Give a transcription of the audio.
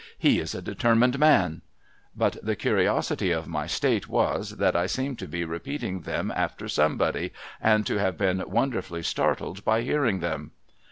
' He is a determined man.' But, the curiosity of my state was, that I seemed to be repeating them after somebody, and to have been wonderfully startled by hearing them.